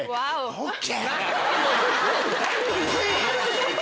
ＯＫ！